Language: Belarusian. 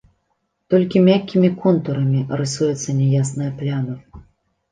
Толькі мяккімі контурамі рысуецца няясная пляма.